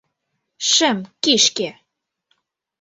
Шем кишке!..